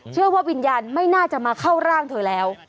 เชื่อว่าวิญญาณไม่น่าจะมาเข้าร่างเธอแล้ว